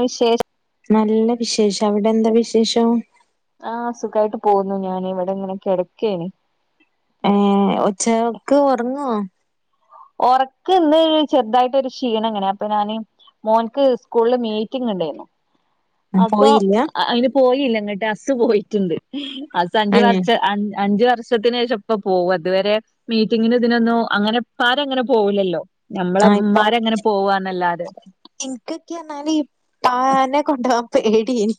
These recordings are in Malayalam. വിശേഷം നല്ല വിശേഷം അവിടെ എന്താ വിശേഷം ആഹ് സുഖായിട്ട് പോന്നു ഞാൻ ഇവിടെ ങ്ങനെ കെടക്കെനി ഏ ഉച്ചക്ക് ഒറ്ങ്ങോ ഒറ്ക്ക്ന്ന് ചെറുതായിട്ടൊരു ക്ഷീണം ഇങ്ങനെ അപ്പ ഞാന് മോൻക്ക് സ്കൂളില് മീറ്റിംഗ് ഉണ്ടായിരുന്നു അപ്പൊ പോയില്ല അയിന് പോയില്ല ങ്ങട്ട് ഹസ്സ് പോയിട്ട്ണ്ട് ആഹ് സഞ്ചി ഏ നിറച്ച് അഞ്ച് വർഷം വർഷത്തിന് ശേഷം ഇപ്പോ പോവും അതുവരെ മീറ്റിങ്ങിന് ഇതിനൊന്നും അങ്ങനെ ഉപ്പമാരങ്ങനെ പോകില്ലല്ലോ നമ്മളെ ആ ഇപ്പ ഇമ്മാരങ്ങനെ പോവാന്നല്ലാതെ എനിക്കൊക്കെ എന്നാല് ഉപ്പാനെ കൊണ്ടുപോകാൻ പേടിയേനി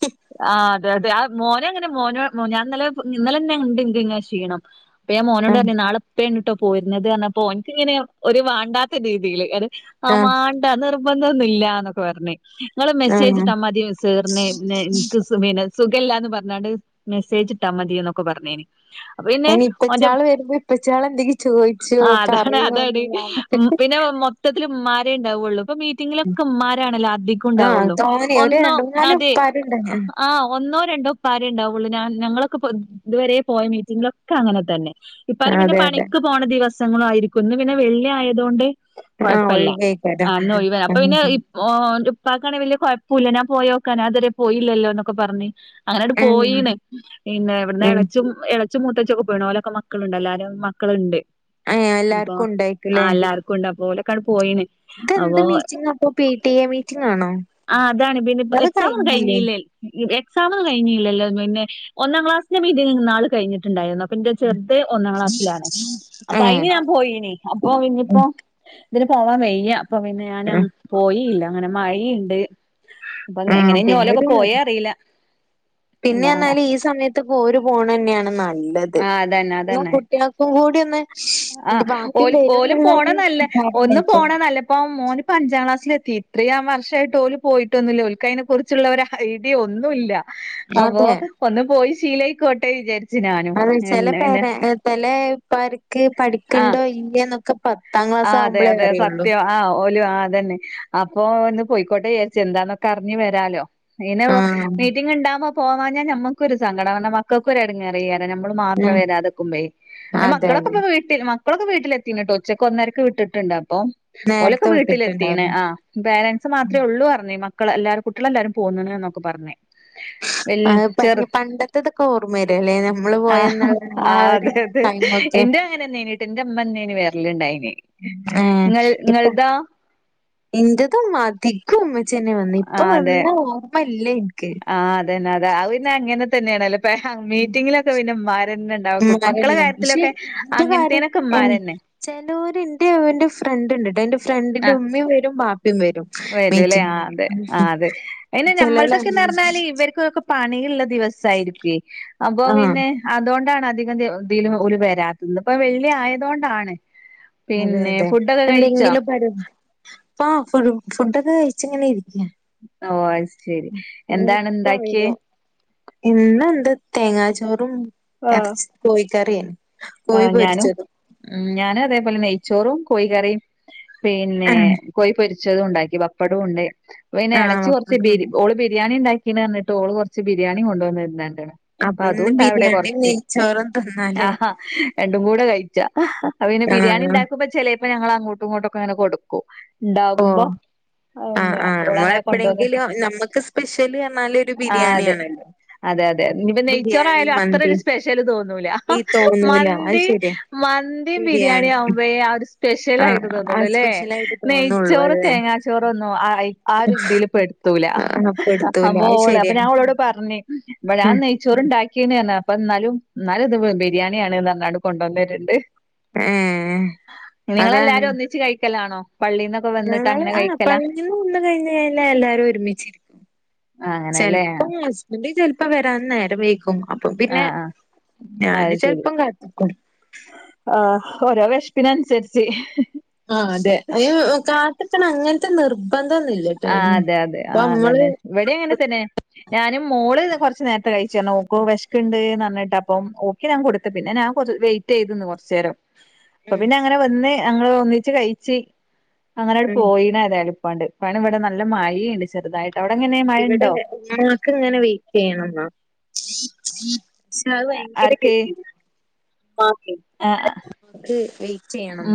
ആഹ് അതെ അതെ ആഹ് മോന് ങ്ങനെ മോന് മോ ഞാൻ ഇന്നലെ ഇന്നലെ ന്നെ ഇണ്ട് ഇന്ക്ക് ഇങ്ങനെ ക്ഷീണം അപ്പൊ ഞാൻ ആ മോനോട് പറഞ്ഞു നാളെ ഉപ്പയാണ് കേട്ടോ പോയിരുന്നത് ഓനിക്ക് ഒരു വേണ്ടാത്ത രീതിയില് അത് ആ ആഹ് മാണ്ട നിർബന്ധം ഒന്നും ഇല്ലന്നൊക്കെ പറഞ്ഞ് നിങ്ങള് ആ മെസ്സേജ് ഇട്ടാ മതി മിസ്സിന് ന് സുഖമില്ലാന്ന് പറഞ്ഞ് മെസ്സേജ് ഇട്ടാ മതി എന്നൊക്കെ പറഞ്ഞേന് അപ്പൊ പിന്നെ അയിന് മറ്റെ ഇപ്പച്ചാള് വരുമ്പോ ഇപ്പച്ചാള് എന്തെങ്കിലും ചോയിച്ചോ ആഹ് അതാണ് പറയോ അതാണ് എന്നുള്ള പിന്നെ മൊ ത്തത്തിൽ ഉമ്മമാരേ ഉണ്ടാവുകയുള്ളൂ അപ്പം കുട്ടികളൊക്കെ ഉമ്മാരാണല്ലോ അധികം ആ ഉണ്ടാവുള്ളൂ തോനെ ഒരു ഒന്നോ രണ്ട് മൂന്നാല് അതെ ഉപ്പാരുണ്ട് ആഹ് ആഹ് ഒന്നോ രണ്ടോ ഇപ്പാരേ ഉണ്ടാവുള്ളൂ ഞാൻ ഞങ്ങളൊക്കെ ഇതുവരെ പോയ മീറ്റിങ്ങിലൊക്കെ അങ്ങനെ തന്നെ ഇപ്പാര് പിന്നെ അതെ അതെ പണിക്ക് പോണ ദിവസങ്ങളും ആയിരി കുന്ന് പിന്നെ വെള്ളി ആയതോണ്ട് ആ കൊഴപ്പല്ല ഒഴിവേക്കാരം അന്ന് ഒഴിവ് അപ്പൊ ഉം പിന്നെ ഇ ഓൻ്റെ ഉപ്പാക്കാണേൽ വലിയ കുഴപ്പുല്ല ഞാൻ പോയോക്കാ ഞാൻ ഇതുവരെ പോയില്ലല്ലോ ഇന്നൊക്കെ പറഞ്ഞ് അങ്ങനെ അങ്ങ് ഉം പോയിന് പിന്നെ ഇവിടുന്ന് ഉം ഇളച്ചും അച്ച മൂത്തച്ചിയൊക്കെ പോയിണ് മക്കളുണ്ട് എല്ലരും മക്കളുണ്ട് ഏ അപ്പൊ എല്ലാർക്കും ആ ഉണ്ടായിക്കുല്ലേ എല്ലാർക്കും ഉണ്ട്. പോലൊക്കാണ്ട് പോയിന് അപ്പൊ. ഇപ്പൊ പി ടി എ മീറ്റിംഗ് ആണോ അതാണ് പിന്ന അത് എക്സാം ഒന്നും കഴിഞ്ഞില്ലേ കഴിഞ്ഞില്ലേൽ എക്സാം ഒന്നും കഴിഞ്ഞില്ലോ പിന്നെ ഒന്നാം ക്ലാസിന്റെ മീറ്റിംഗ് ഇന്നാള് കഴിഞ്ഞിട്ട്ണ്ടായിരുന്നു ഇൻ്റെ ചെറ്ത് ഒന്നാം ക്ലാസ്സിലാണ് അപ്പൊ ഏ അയിന് ഞാൻ പോയിനി അപ്പൊ ഉം ഇനിയിപ്പോ ഇതിന് പോവാൻ വയ്യ അപ്പൊ പിന്നെ ഞാനും ഉം പോയില്ല അങ്ങനെ മഴയുണ്ട് അപ്പൊ ആഹ് എങ്ങനെ ഓരൊക്കെ പിന്നൊരു പോയേന്ന് അറിയില്ല പിന്നെ ന്നാല് ഈ സമയത്ത് ഓര് പോണ ന്നെയാണ് നല്ലത്. ആഹ് അതന്നെ [inaudible] അതന്നെ കുട്ടിയാ ൾക്കും കൂടി ഒന്ന് ആഹ് [inaudible] ബാപ്പി ഓല് വരും ഓലും പോണ ന്നുള്ളര് [unintelligible] പഞ്ചാം ക്ലാസ്സിലെത്തി. ഇത്രീം വർഷയിട്ട് ഓല് പോയിട്ടൊന്നുല്ല. ഒൽക്ക അയിനെ കുറിച്ചുള്ള ഒരു ഐഡി ഒന്നും ല്ല. അപൊ, അതെ ഒന്ന് പോയി ശീലയിക്കോട്ടെ വിചാരിച്ച. അത, ചില പേര ചില പ്പാര്ക്ക് ആഹ് പഠിക്ണ്ടോ ഇല്ലേ ന്നൊക്കെ പ്പ... ആഹ് താങ്ളാസാവും അതെ പളേ അതെ അറിയുള്ളൂ. സത്യം ആഹ് ഓല് ആ അതന്നെ അപ്പൊ ഒന്ന് പോയിക്കോട്ടെ വിചാരിച് എന്താന്നൊക്കെ അറിഞ്ഞഞ് വരാലോ പിന്നെ ആഹ് ഉം മീറ്റിങ്ങ് ഉണ്ടാമ്പോ പോവാഞ്ഞാ നമ്മക്കൊരു സങ്കടാ ക്കകൊരു എടങ്ങേറേ കാരം നമ്മള് മാത്രം വരാതെക്കുമ്പയി, ന്ന അതെ അതെ മക്കളൊക്കെപ്പൊ വീ.. പിൻ മക്കളൊക്ക വീട്ടെത്തിൺ ട്ടോ. ഉച്ചക്ക് ഒന്നരക് വിട്ടിട്ടുണ്ട് അപ്പോം. ഓലൊക്ക നേരത്തെ വീട്ടില് എത്തിണ്. വിട്ടിട്ടുണ്ടാവുല്ലേ. ആ പേരൻസ് മാത്രേ ഉള്ളൂ പറഞ്. മ മക്ക എല്ലാരും കുട്ടികളല്ലാരും പോന്നുണ് ന്നൊക്ക പറഞ്. ആഹ്, പ പണ്ടത്തെ തൊക്കെ ഓർമ്മ വരല്ലേ, നമ്മള് പോയെന്നു ആ ഒരു. [inaudible] ടൈമൊക്കെ ഇന്റെ അങ്ങനെ ന്നേയ്ണീട്ടോ, ഇന്റെ മ്മന്നേന് വരല് ണ്ടായിന്. ഏഹ് ങ്ങൾ ഇപ്പ ങ്ങൾ തോ.? ഇന്റതും മതി. ക്കും മ്മച്ചെന്നെ വന്ന ഇപ്പ ആഹ് അതെ വന്ന ഓർമ്മല്ല ൻക്ക്. ആഹ്, അതന്നെ അതെ പിന്നെ അങ്ങനെ തന്നെയാണല്ലോ? പ്പഹ, മീറ്റിങ്ങിലൊക്കെ പിന്നെ മ്മരന്നെ ണ്ടാവ. മക്കള ഉമ്മാരെന്നെയാണ് പക്ഷെ കാര്യത്തിലൊക്കെ ഇന്റെ കാര്യം അങ്ങനത്തേനൊക്കെ ഏഹ് മ്മാരന്നെ. ചെലോര് ന്റെ ന്റെ ഫ്രണ്ട് ണ്ട്ട്ട. ന്റെ ഫ്രണ്ടിന്റെ ഉമ്മേം വരും ബാപ്പേം വരും. വരൂ അല്ലേ ആ മീറ്റിങ്ങിന് അതെ ആ അതെ പിന്നെ ചെലോല് നമ്മൾതൊക്കെന്ന് അങ്ങനെ പറഞ്ഞാല് ഇവർക്കുംക്കെ പണിള്ള ദിവസയിരിക്കേ അപ്പൊ ആഹ് പിന്നെ അതോണ്ടാണ് അധികം ഇതിലും ഓല് വരാത്തത് ഇപ്പൊ വെള്ളി ആയതോണ്ടാണ് അതെ പിന്നെ അതെ ഫുഡൊക്കെ കഴിച്ചോ എന്തെങ്കിലും പ അപ്പ ഫ ഫുഡൊക്കെ കഴിച്ച ഇങ്ങനെ ഇരിക്ക ഓ അയ്ശരി എന്താണ് ഇണ്ടാക്കിയെ ഇന്നന്താ തേങ്ങാ ചോറും അറചി കോഴിക്കറിയാണ് ആ ഞാനും ഞാനും അതേപോലെ നെയ്ച്ചോറും കോഴിക്കറിയും പിന്നെ ആഹ് കോഴി പൊരിച്ചതും ഉണ്ടാക്കി പപ്പടവും ഉണ്ട് പിന്നെ ഇളച്ചി കുറച്ച് ബി ആഹ് ഓള് ബിരിയാണി ഇണ്ടാക്കി പി വന്നിട്ട ഓള് കുറച്ച് ബിരിയാണി കൊണ്ടുവന്നിരണ്ടാണ് അപ്പൊ ഇന്ന് ബിരിയാണി നേയിച്ചോറും തിന്നാലേ ആഹാ രണ്ടും കൂടെ കഴിച്ച അപ്പൊ പിന്നെ ബിരിയാണി ആഹ് ഉണ്ടാക്കുമ്പോ ചെ അപ്പൊ ഞങ്ങ അങ്ങോട്ടും ഇങ്ങോട്ടൊക്കെ ഇങ്ങനെ കൊടുക്കും ഓ ഉണ്ടാവുമ്പോ ണ്ട് ആഹ് ആഹ് അപ്പോൾ നമ്മള് അങ്ങനെ കൊണ്ടവന്ന് എപ്പഴെങ്കിലും നമ്മക്ക് സ്പെഷ്യല് പറഞ്ഞാല് ഒരു ആ അതെ ബിരിയാണിയാണല്ലോ അതെ അതെ ഇനിയിപ്പ ബിരിയാണി നെയ്ച്ചോറായാലും അത്ര മന്തി ഒരു സ്പെഷ്യല് തോന്നൂല ഈ തോന്നൂല അത് മന്തി ശരിയാ മന്തി ബിരിയാണി ആവുമ്പയെ സ്പെഷ്യൽ ആഹ് ആയിട്ട് ആ തോന്നള്ളൂ ല്ലേ സ്പെഷ്യലായിട്ട് തോന്നുള്ളൂ നെയ്ച്ചോറ് അതെ തേങ്ങാച്ചോറൊന്നോ ആ ആ ഇതിൽ പെട് ത്തൂല ആ, അപ്പൊ എടുത്തൂല അപ്പൊ അത് ഓള് ശരിയാ ഞാൻ ഓളോട് പറഞ് ഞാൻ നയ് ചോറണ്ടാക്കിയ്ണ് അപ്പ ന്നാലും ന്നാലും ഇത് ബിരിയാണിയാണ് പറഞ്ഞാ കൊണ്ടുവന്നര്ണ്ട് ഏഹ് അതാണ് നിങ്ങളെല്ലാരും ഒന്നിച്ച് കഴിക്കലാണോ പള്ളിന്ന് ഞങ്ങള് ആ പള്ളിന്ന് കൊന്ന് കഴിഞ്ഞ് കഴിഞ്ഞാ എല്ലാരും ഒരുമിച്ചിരി ആഹ് അങ്ങനെല്ലേ ചെലപ്പം മോ ചെലപ്പോ വരാൻ നേരം വൈകും അപ്പൊ പിന്നെ ആഹ് ആഹ് അത് ഞാന് ശരി ചെലപ്പം കാത്തിക്കും ആഹ് ഒരോ വെശ്പിനൻസരിച്ച് ആഹ് അതെ അയ് കാത്ത്ക്കണം അങ്ങനത്തെ നിർ പ്പന്തോന്നും ല്ലടൈന് ഇപ്പൊ അമ്മള് ഇവിടെ അങ്ങനെ തന്നെ ഞാനും മോള് കുറച്ച് നേരത്തെ കഴിച് ഓല്ക് വേഷ് ക്കിണ്ട് ന്നർഞ്ഞിട്ട് അപ്പ ഓക്കെ ഞാൻ കൊടുത്ത പിന്നെ ഞാൻ വെയിറ്റ് ചെയ്തന്ന് കൊറച്ചു നേരം ഉം പിന്നെ അങ്ങനെ വന്ന് ഞങ്ങള് ഒന്നിച്ച് കഴിച് അങ്ങനട് ഉം പോയിണ ഏതായലിപ്പണ്ട് അപ്പാണ് ഇവിടെ നല്ല മഴയണ്ട് ചെറുതായിട്ട് അവിടെ എങ്ങനെയെ മഴയുണ്ടോ ക്ക് ഇങ്ങനെ വൈറ്റ്യ്യണംന്നോ ശ ഭയങ്കര കേതിയേട് മാക്ക ആ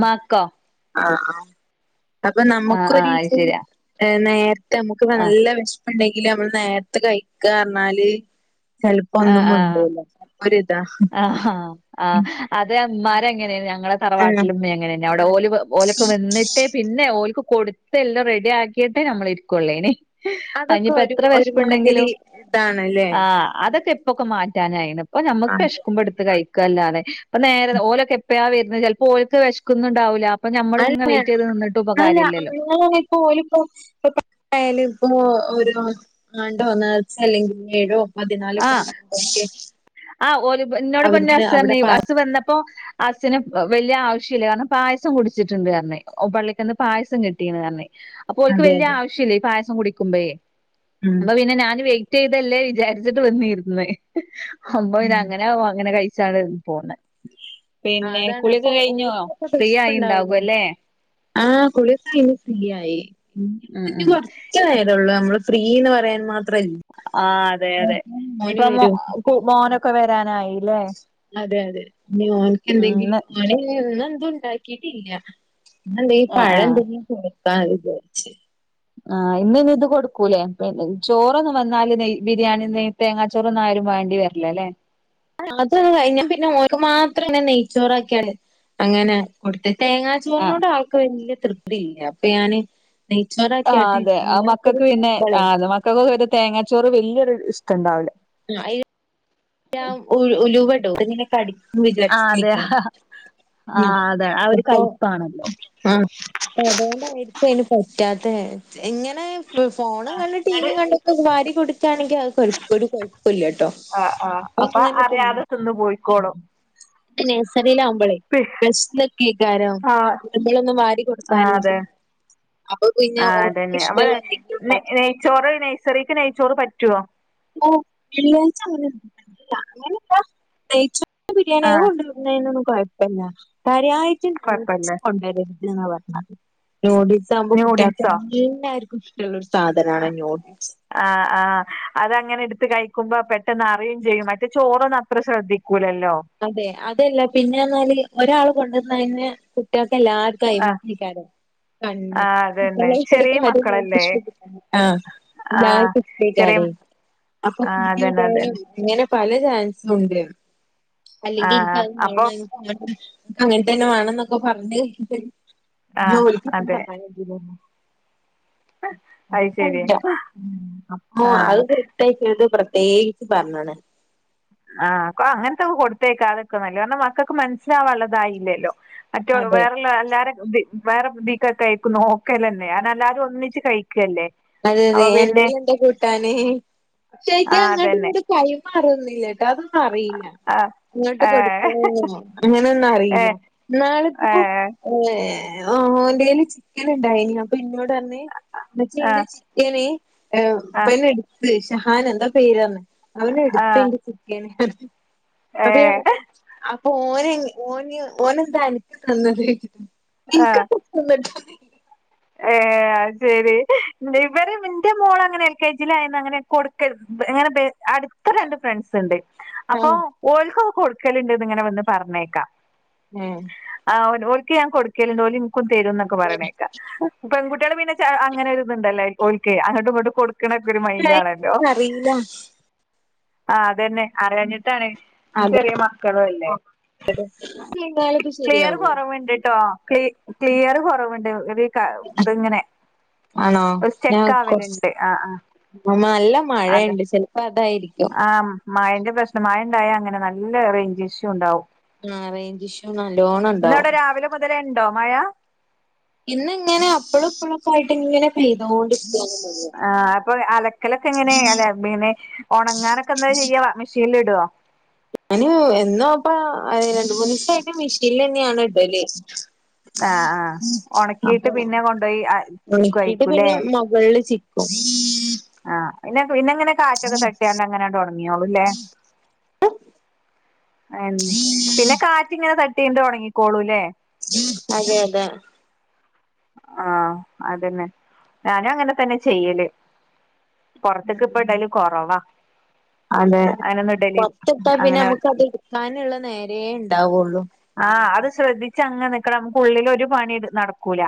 മാക്കോ ആ അപ്പൊ ആഹ് നമുക്ക് ആഹ് അത് ഒരീസം ശരിയാ നേർത്തെ നമുക്ക് ആഹ് നല്ല വിഷ ഉണ്ടെങ്കില് നമ്മള് നേരത്ത് കഴിക്കറഞ്ഞാല് ചെലപ്പോ ഒന്നും ആഹ് മിണ്ടൂല്ല ഒരിതാ ആഹ് ആഹ് അതെ ഇമ്മാരങ്ങനെനു ഞങ്ങളെ ആഹ് തറവാട്ടിലും മ്മെ അങ്ങനെന്നെ അവിടെ ഓല് ഓലൊക്കെ വെന്ന് ട്ടെ പിന്നെ ഓൽക്ക് കൊടുത്ത് എല്ലാം റെഡി ആക്കിട്ടേ നമ്മള് ഇര്ക്കോള്ളേനി അഹ് അതൊക്കെ ഇഞ്പ്പ ഒരു എത്ര ഒരുമാതിരി വെശപ്പുണ്ടെങ്കിലും ഇതാണല്ലേ ആഹ് അതൊക്കെ ഇപ്പൊക്കെ മാറ്റാനായിണ് ഇപ്പൊ ഞമ്മക്ക് ആഹ് വെഷ്ക്കുമ്പോ എടുത്ത് കഴി ക്കല്ലാതെ അപ്പ നേരെ ഓലൊക്കെ എപ്പഴാ വെര്ന്നത് ചെൽപ്പോ ഓൽക്ക് വെശക്കുന്നുണ്ടാവുല ഇപ്പ ഞമ്മള് ഇങ്ങെനെ അല്ല വെയിറ്റ് ചെയ്ത് നിന്നിട്ടും കാര്യാല്ലല്ലോ പ്പോ ഓല്പ്പോ [unintelligible] ആണ്ടോ നീർച്ചെ അല്ലെങ്കി ഏഴോ പതിനാലൊക്കെ ആഹ് ഉണ്ടാവുമ്പോക്കെ ആ ഓലിപ്പ ഇന്നോട് ഇപ്പ ന്റെ അവിടുന്ന് ഹസ് പറഞ്ഞ് അവിടെ പാ ഹസ് വന്നപ്പോ ഹസ്ന് വല്യ ആവശ്യം ഇല്ല കാരണം പായസം കുടിച്ചിട്ടുണ്ട് പറഞ്ഞ് ഓ പള്ളിക്കന്ന് പായസം കിട്ടീന്ന് പറഞ്ഞ് അപ്പൊ ഓർക്ക് അതെ വല്യ അതെ ആശ്യമില്ല ഈ പായസം കുടിക്കുമ്പോയേ ഉം അപ്പൊ പിന്നെ ഞാൻ വെയിറ്റ് യ്തതല്ലേ വിചാരിച്ചിട്ട് വന്നിരുന്ന് [unintelligible] ഉം അങ്ങനെ അങ്ങനെ കഴിച്ചാണ്ട് പോന്ന് ആ പിന്നെ അതാണ് കുളി ഒക്കെ അപ്പൊ കഴിഞ്ഞോ ഓർക്കൊക്കെ ഫ്രീ ആയി വിശപ്പുണ്ടാവൂലേ ഇണ്ടാകും ലെ? ആഹ് കുളിക്കെ കഴിഞ് ഫ്രീയായി ഇഞ് ഉം ഇപ്പഞ് ഉം കോർച്ച് ച്ച് നെരോള്ളു നമ്മള് ഫ്രീ ഇന്ന് പറയാൻ മാ ആഹ് അതെ അതെ മോന് ഇഞ്പ്പം വരും മോ മോനൊക്കെ വരാനായിലെ? അതെ അതെ ഇഞ് ഓൻക്കെന്തെങ്കിലും മഴന്നെ ഇന്ന് എന്തും ഇണ്ടാകിട്ടില്ല ഞാൻ എന്തേം ആഹ് ആഹ് പഴംന്തേങ്കിലും പുയിങ്ങ വിചാരിച്ച് ആഹ് ഇന്ന് ഇത് കൊടുക്കൂലെ പിന്നെ ചോറൊന്ന് വന്നാല് നെയ ബിരിയാണി നെയ് തേങ്ങാച്ചോറൊന്ന ആരും വേണ്ടി വരില്ല അല്ലേ അത് പിന്നെ ഒൻക്ക് മാത്രം നെയ്ച്ചോറക്കിയാണ് അങ്ങനെ കൊടുത്ത് തേങ്ങാ ആഹ് ച്ചോർനോട് ആൾക്ക് വലിയ തൃപ്തി ഇല്ല അപ്പൊ ഞാൻ ആഹ് നെയ്ച്ചോറക്കൊട്ട് അതെ അത് നമ്മളോക്കൊ ഇത് മക്കൾക്ക് പിന്നെ തിന്നുമ്പള്ളെ ആഹ് അത് മക്കൾക്കൊക്കെ തേങ്ങാച്ചോറ് വലിയൊരു ഇഷ്ടം ഉണ്ടാവുല്ല ആ [unintelligible] ഉ ഉലുവ ഇടോ തടിക്കും ആഹ് വിച്ചാരിച്ചിട്ട് അതെ ആയിക്കാരം ആഹ് അതെ ആ ഒരു ഇപ്പോ കയ്പ്പാണല്ലോ ആ അതുകൊണ്ടായിരിക്കും അതിന് പറ്റാത്തെ ഇങ്ങനെ ഫോണും കണ്ട് ടി. ന്നട് വിം കണ്ടക്കൊ വാരി കൊടുക്കാണെങ്കി അയ് ഒരു കൊഴ്പ്പുല്ലാട്ടോ. അ ആഹ്‌. ഓൻ ഇരുന്ന്ട്ട് ത് ന്നും നേഴ്സറിയിലാവുമ്പോളേ. പി ബസ് ലൊക്കേയ്ക്കാരം ആഹ് നമ്മളൊന്നും വാരി ആഹ് കൊടുക്കാനും അതെ അപ്പൊ പിന്നെ ആഹ് ഓർക്ക് അതെന്നെ അമ്മള് ഇഷ്ടമുള്ള എന്തെങ്കിലും നെ ഉണ്ടാക്കി നെയ്ച്ചോറ് നെയ്സറീക്ക് നെയ്ച്ചോറ് പറ്റോ ആഹ് വെളളിയാഴ്ച്ചങ്ങനൊന്നുല്ല. അങ്ങനല്ല നെയ്ച്ചോറ് ബിരിയാണി അത് ആഹ് കൊണ്ടൊരും പിന്നെ അയ്നൊന്നു കൊയപ്പല്ല. കാര്യായിട്ട് കൊഴപ്പല്ല നൂഡിൽസ് കൊണ്ടരും [unintelligible] നൂഡിൽസാ കുമ്പോ കുട്ട്യാക്ക് ന്യൂഡിൽസോ എല്ലാർക്കും ഇഷ്ടള്ളൊരു സാധനനാണ് നൂഡിൽസ്. ആ ആ അത് അങ്ങനെ എടുത്ത് കഴിക്കുമ്പോ പെട്ടെന്ന് അറിയും ചെയ്യും മറ്റേ ചോറന്ന് അത്ര ശ്രദ്ധി കൂലല്ലോ. അതെ അതല്ല പിന്നെർന്നാല് ഒരാള് കൊണ്ടന്നയന്നേ കുട്ട്യാൾക്ക് എല്ലാ ആഹ് ക്കയിമെക്കേക്കാരം കണ്ണ് ആഹ് അതന്നെ [unintelligible] ചെറിയ മക്കളല്ലേ [unintelligible] ആഹ്‌ ആഹ് എല്ലാർക്കും ചെറിയ ഇഷ്ടയ്ക്കാരെ ആഹ് അതന്നെ അതന്നെ [unintelligible] പല ചാൻസുണ്ട്. അല്ലെങ്കിൽ ആഹ് ഇൻക്കത് അപ്പൊ വേണേ ഞണ്ട് അങ്ങൻതന്നെ വേണംന്നൊക്കെ പറഞ്ഞ്ട്ട് ആഹ് ജോലിക്ക് അതെ [unintelligible] [unintelligible] അത് ശരി അത്ക്കറീല ഉം അപ്പോ ആഹ് അഅ് [unintelligible] പ്രത്യേകിച്ച് പറഞ്ഞ്ണ്. ആഹ് കോ അങ്ങനത്തെക്കെ കൊടുത്തേയാക്ക നിക്ക മക്കൾക്ക് മനസ്സിലാവള്ളതായില്ലല്ലോ. മറ്റ അതെ വേറള്ള എല്ലാരും ഇ വേറെ ഇതി ഒകെ അയ്ക്ക് നോക്കല്ലന്നെ അവൻ അല്ലാതെ ഒന്നിച്ച് കഴിക്കല്ലേ? അതെ അതെ അപ്പൊ പിന്നെ അന്റെയ്ല് എന്താ കൂട്ടാനെ ആഹ് അങ്ങോട്ട് അതന്നെ ഇങ്ങോട് കൈമാറന്നില്ല. അത് ഒന്നും അറിയില്ല. ആഹ് ഇങ്ങോട്ട് ഏഹ് കൊടുക്കണം അങ്ങനെ ഒന്നും അറിയില്ല ഏഹ് ഇന്നാളിപ്പോ ഏഹ് ഏ ഓൻ്റയിൽ ചിക്കൻ ഉണ്ടായിനി അപ്പൊ ഇന്നോട് പറ ന്റെ ആഹ് ചിക്കന് ആഹ് ഇബന് എടുത്ത് ഷഹാൻ എന്താ പേര് പറഞ്ഞ്. അവന ആഹ് എടുത്തന്റെ ഏഹ് [unintelligible] അപ്പൊ ഓന് ഓന് ഓന് എന്താ അനക്ക് തന്നത്? ആഹ് [unintelligible] ഏഹ് അത് ശെരി ഇവര് ഇന്റെ മോള് അങ്ങനെ എൽ കെ ജിയിലയന്ന് അങ്ങനെ കൊടുക്ക അങ്ങനെ അടുത്ത രണ്ട് ഫ്രണ്ട്സ് ഉണ്ട്. അപ്പൊ ആഹ് ഓൽക്ക് ഒക്കെ കൊടുക്കലുണ്ട് ന്ന് ഇങ്ങനെ വന്ന് പറഞ്ഞേക്കാ. ഏഹ് ആ ഓരിക്ക് ഞാൻ കൊടുക്കലണ്ട് ഓര് എനിക്കും തരുംന്നൊക്കെ പറയണക്ക. പെൺകുട്ടികള് പിന്നെ അങ്ങനെ ഒരു ഇത് ഇണ്ടല്ലേ ഓർക്ക് അങ്ങോട്ട് ഇങ്ങോട്ട് കൊടുക്കണക്കെ ഒരു മൈൻഡ് ആണല്ലോ. ഇൻക്കതൊന്നും അറിയില്ല ആ അതെന്നെ അറിയാഞ്ഞിട്ടാണ് അത് ചെറിയ മക്കളും അല്ലേ? കഴിഞ്ഞാലൊക്കെ ക്ലിയർ ശരിയാവോ കുറവ് ഉണ്ട് ട്ടോ ക്ലി ക്ലിയർ കുറവുണ്ട് ഒരു ഇത് ഇങ്ങനെ ആണോ ഞാൻ കുറച്ച് ആ ആ നല്ല മഴയുണ്ട് ച അപ്പ അതായിരിക്കും. ആഹ് മഴന്റെ പ്രശ്നം മഴ ഉണ്ടായ അങ്ങനെ നല്ല റേഞ്ച് ഇഷ്യൂ ഉണ്ടാവും. ആ റേഞ്ച് ഇഷ്യൂ നല്ലോണം ഉണ്ടാവും. അപ്പം ഇത് വരെ ഉണ്ടോ മഴ? ഇന്ന് ഇങ്ങനെ അപ്പഴും ഇപ്പോഴൊക്കെ ആയിട്ട് ഇങ്ങനെ ചെയ്തോണ്ടിരിക്ക ആ അപ്പൊ അലക്കലൊക്കെ എങ്ങനെയ അല്ല പിന്നെ ഉണങ്ങാനൊക്കെ എന്താ ചെയ്യാ മെഷീനിൽ ഇടോ? ഞാന് എന്നാപ്പ രണ്ട് മൂന്ന് ദിവസായിട്ട് മെഷീനിൽ തന്നെയാണ് ഇടല്. ആ ആ ഉണക്കിയിട്ട് അപ്പൊ പിന്നെ കൊണ്ടുപോയി ചിക്കു ആയിരിക്കൂല്ലേ? മുകളിലെ ചിക്കും. ആഹ് പിന്നെ പിന്ന എങ്ങനെ കാറ്റൊക്കെ തട്ടിയണ്ട് അങ്ങനെ ഒണങ്ങിയോളൂല്ലേ? ഉം പിന്നെ കാറ്റ് ഇങ്ങനെ തട്ടിണ്ട് ഉണങ്ങിക്കൊള്ളൂലെ? അതെ അതെ. ആഹ് അതന്നെ ഞാനും അങ്ങനെ തന്നെ ചെയ്യല്. പുറത്തേക്ക് ഇപ്പം ഇടല് കൊറവാ. അതെ പുറത്ത് ഇട്ടാ പിന്നെ അങ്ങനെ നമുക്ക് അത് എടുക്കാനുള്ള നേരേ ഉണ്ടാവുള്ളു. ആഹ് അത് ശ്രദ്ധിച്ച് അങ്ങ നിക്കണം നമുക്ക് ഉള്ളിൽ ഒരു പണി നടക്കൂല.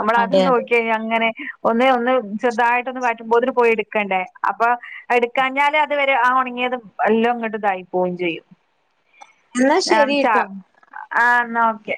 നമ്മള അത് അതെ അതെ നോക്കി കഴിഞ്ഞ അങ്ങനെ ഒന്ന് ഒന്ന് ചെറുതായിട്ടൊന്ന് പാറ്റും പോത്തിന് പോയി എടുക്കണ്ടേ അപ്പൊ എടുക്കാഞ്ഞാല് അതുവരെ ആ ഉണങ്ങിയത് എല്ലാം അങ്ങോട്ട് ഇതായി പോവും ചെയ്യും. എന്നാ ശരി ചാ ട്ടോ ആഹ് എന്നാ ഓക്കെ.